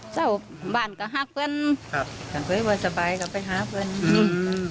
เจ้าบ้านก็หาเพื่อนครับถ้าเพื่อนว่าสบายก็ไปหาเพื่อนอืม